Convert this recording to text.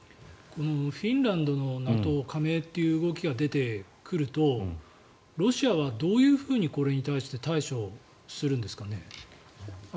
このフィンランドのＮＡＴＯ加盟という動きが出てくるとロシアはどういうふうにこれに対して対処するんですかね。